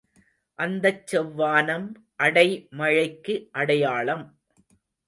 அத்தச் செவ்வானம் அடை மழைக்கு அடையாளம்.